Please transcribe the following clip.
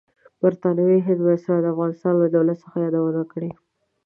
برطانوي هند وایسرای د افغانستان لۀ دولت څخه یادونه کړې.